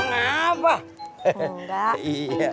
kenapa sejak hari ini